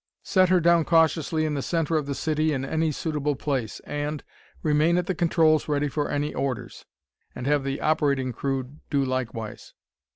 Set her down cautiously in the center of the city in any suitable place. And remain at the controls ready for any orders, and have the operating room crew do likewise."